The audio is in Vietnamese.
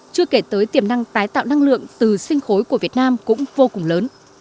chưa kể tới tiềm năng tái tạo năng lượng từ sinh khối của việt nam cũng vô cùng lớn